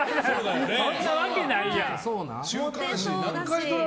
そんなわけないやん。